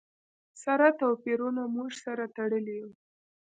سره توپیرونو موږ سره تړلي یو.